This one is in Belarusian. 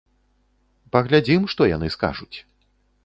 Паглядзім, што яны скажуць.